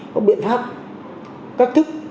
có biện pháp các thức